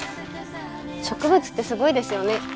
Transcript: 植物ってすごいですよね。